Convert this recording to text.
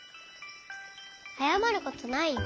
あやまることないよ。